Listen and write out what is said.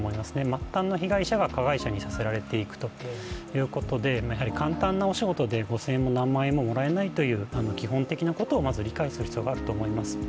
末端の被害者が加害者にさせられていくということで簡単なお仕事で５０００円も何万円ももらえないという基本的なことをまず理解する必要があると思います。